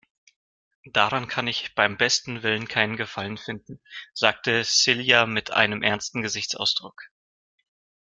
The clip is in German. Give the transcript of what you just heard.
Daran kann ich beim besten Willen keinen Gefallen finden, sagte Silja mit einem ernsten Gesichtsausdruck.